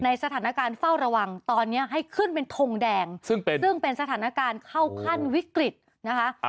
สถานการณ์เฝ้าระวังตอนนี้ให้ขึ้นเป็นทงแดงซึ่งเป็นซึ่งเป็นสถานการณ์เข้าขั้นวิกฤตนะคะ